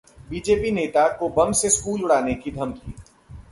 BJP नेता को bomb से स्कूल उड़ाने की धमकी